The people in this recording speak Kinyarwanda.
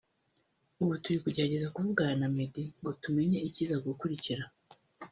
Ubu turi kugerageza kuvugana na Meddy ngo tumenya ikiza gukurikira